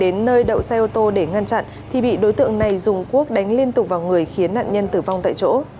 đến nơi đậu xe ô tô để ngăn chặn thì bị đối tượng này dùng quốc đánh liên tục vào người khiến nạn nhân tử vong tại chỗ